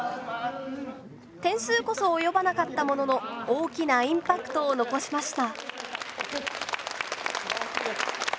点数こそ及ばなかったものの大きなインパクトを残しました。